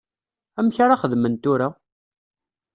Amek ara xedmen tura?